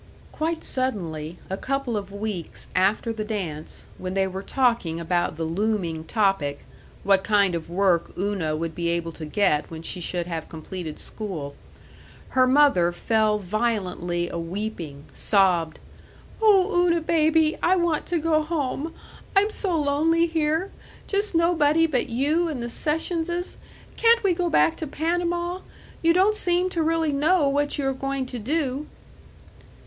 Quite suddenly, a couple of weeks after the dance, when they were talking about the looming topic what kind of work Una would be able to get when she should have completed school her mother fell violently a weeping; sobbed, "Oh, Una baby, I want to go home. I'm so lonely here just nobody but you and the Sessionses. Can't we go back to Panama? You don't seem to really know what you are going to do."